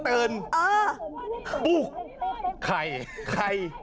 ปุ๊บใครใคร